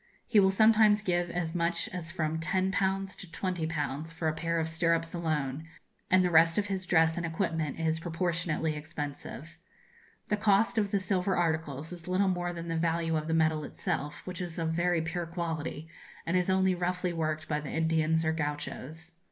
He will sometimes give as much as from 10_l_. to 20_l_. for a pair of stirrups alone, and the rest of his dress and equipment is proportionately expensive. The cost of the silver articles is little more than the value of the metal itself, which is of very pure quality, and is only roughly worked by the Indians or Gauchos.